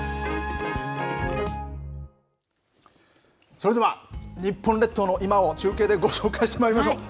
それでは日本列島の今を中継でご紹介してまいりましょう。